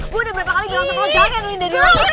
gue udah beberapa kali bilang sama lo jangan lulindari lagi